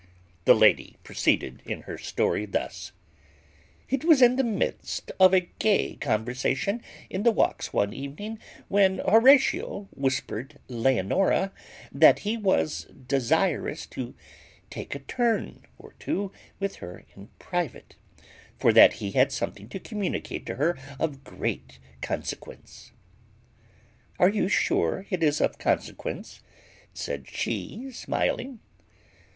The lady proceeded in her story thus: It was in the midst of a gay conversation in the walks one evening, when Horatio whispered Leonora, that he was desirous to take a turn or two with her in private, for that he had something to communicate to her of great consequence. "Are you sure it is of consequence?" said she, smiling.